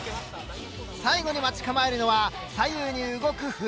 最後に待ち構えるのは左右に動く風船。